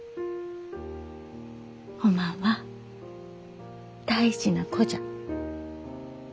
おまんは大事な子じゃ。